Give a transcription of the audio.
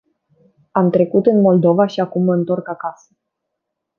Am trecut în Moldova și acum mă întorc acasă.